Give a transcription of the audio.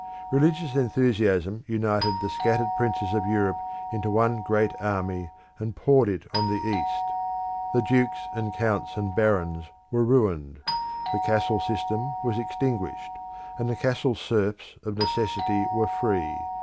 Religious enthusiasm united the scattered princes of Europe into one great army, and poured it on the East. The dukes and counts and barons were ruined; the castle system was extinguished: and the castle serfs of necessity were free.